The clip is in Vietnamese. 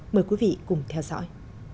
mời quý vị cùng theo dõi